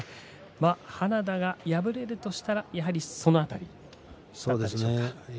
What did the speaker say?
花田が敗れるとしたらやはりその辺りでしょうか。